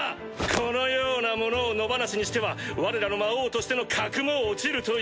このような者を野放しにしてはわれらの魔王としての格も落ちるというもの。